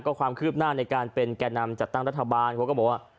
ความคืบหน้าในการเป็นแก่นำจัดตั้งรัฐบาลเขาก็บอกว่า